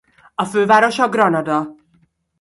A fővárosa Granada.